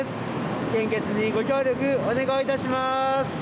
献血にご協力お願いいたします。